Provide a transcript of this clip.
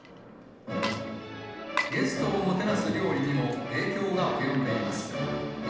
ゲストをもてなす料理にも、影響が及んでいます。